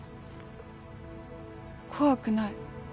怖くない。